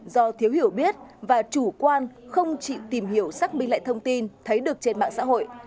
do thiếu hiểu biết và chủ quan không chỉ tìm hiểu xác minh lại thông tin thấy được trên mạng xã hội